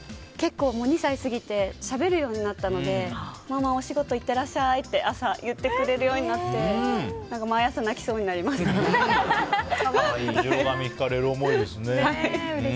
２歳を過ぎてしゃべるようになったのでママ、お仕事行ってらっしゃいって朝、言ってくれるようになって後ろ髪を引かれる思いですね。